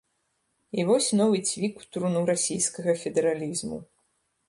І вось новы цвік у труну расійскага федэралізму.